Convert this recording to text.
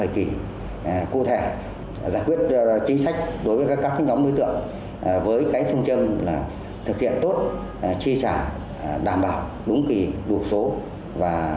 hội đồng dân ủy ban dân tỉnh xã rộng thương binh xã hội đã tham dự cho các cấp ủy chính quyền địa phương thực hiện tốt chính sách ưu đãi người có công của đảng và nhà nước ban hành qua các thời kỳ